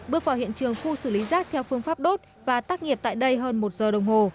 bước vào hiện trường khu xử lý rác theo phương pháp đốt và tác nghiệp tại đây hơn một giờ đồng hồ